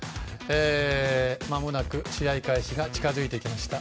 まもなく試合開始が近づいてきました。